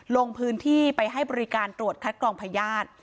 ลงพื้นที่ไปให้บริการตรวจคัดกรองพญาติ